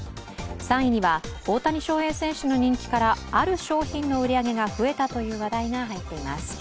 ３位には、大谷翔平選手の人気からある商品の売り上げが増えたという話題が入っています。